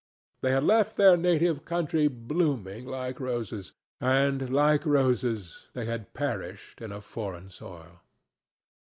They had left their native country blooming like roses, and like roses they had perished in a foreign soil.